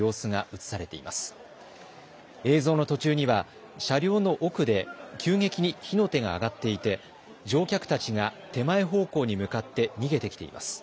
映像の途中には車両の奥で急激に火の手が上がっていて乗客たちが手前方向に向かって逃げてきています。